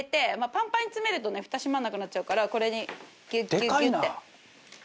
パンパンに詰めるとねフタ閉まらなくなっちゃうからこれにギュッギュッギュッて。